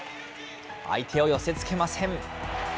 相手を寄せつけません。